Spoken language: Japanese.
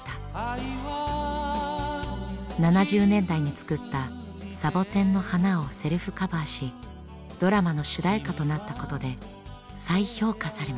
７０年代に作った「サボテンの花」をセルフカバーしドラマの主題歌となったことで再評価されました。